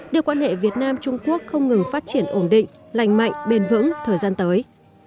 đưa quan hệ việt nam trung quốc không ngừng phát triển ổn định lành mạnh bền vững thời gian tới